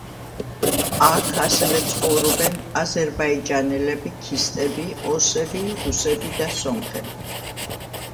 აქ ასევე ცხოვრობენ აზერბაიჯანელები, ქისტები, ოსები, რუსები და სომხები.